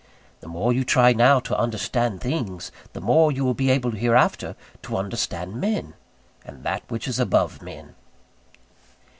The more you try now to understand things, the more you will be able hereafter to understand men, and That which is above men.